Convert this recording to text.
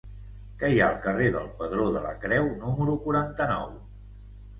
Què hi ha al carrer del Pedró de la Creu número quaranta-nou?